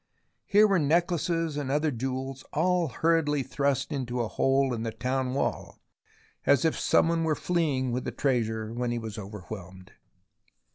Here were necklaces and other jewels all hurriedly 174 THE ROMANCE OF EXCAVATION thrust into a hole in the town wall as if some one were fleeing with the treasure when he was over whelmed.